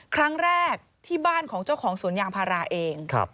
ครั้งแรกที่บ้านของเจ้าของสวนยางพาราเอง